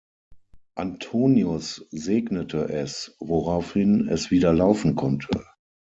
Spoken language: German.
Antonius segnete es, woraufhin es wieder laufen konnte.